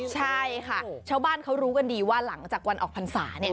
ใช่ค่ะชาวบ้านเขารู้กันดีว่าหลังจากวันออกพรรษาเนี่ย